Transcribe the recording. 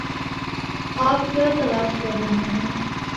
آپ کیا تلاش کر رہے ہیں؟